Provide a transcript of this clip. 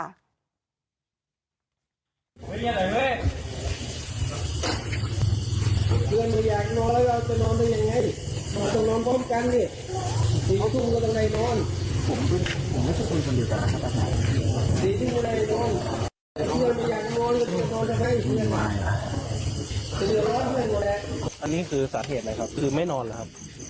อันนี้คือสาเหตุเลยครับคือไม่นอนแล้วครับ